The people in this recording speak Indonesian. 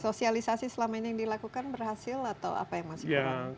sosialisasi selama ini yang dilakukan berhasil atau apa yang masih kurang